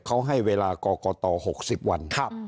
เขาให้เวลาก่อก่อต่อ๖๐วัน